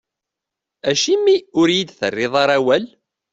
Acimi ur iyi-d-terriḍ ara awal?